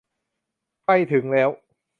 ใครถึงแล้ว